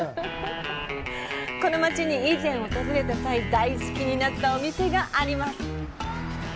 この街に以前訪れた際、大好きになったお店があります。